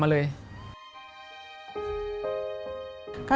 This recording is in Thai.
ค่าเรียนน้ำ